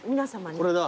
これだ。